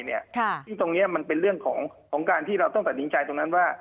ซึ่งตรงนี้มันเป็นเรื่องของการที่เราต้องตัดสินใจตรงนั้นว่า